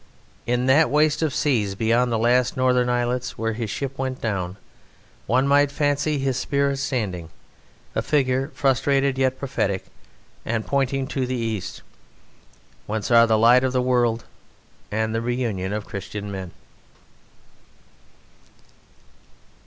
In that waste of seas beyond the last northern islets where his ship went down one might fancy his spirit standing, a figure frustrated yet prophetic and pointing to the East, whence are the light of the world and the reunion of Christian men.